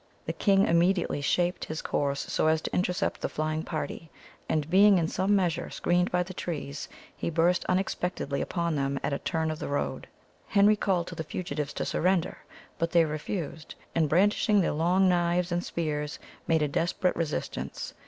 The king immediately shaped his course so as to intercept the flying party, and, being in some measure screened by the trees, he burst unexpectedly upon them at a turn of the road. Henry called to the fugitives to surrender, but they refused, and, brandishing their long knives and spears, made a desperate resistance.